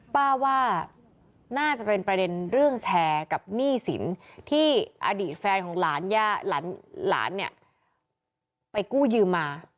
ว่าน่าจะเป็นประเด็นเรื่องแชร์กับหนี้สินที่อดีตแฟนของหลานเนี่ยไปกู้ยืมมา